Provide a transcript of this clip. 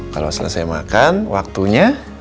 kalau selesai makan waktunya